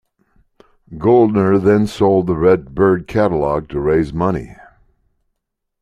Goldner then sold the Red Bird catalogue to raise money.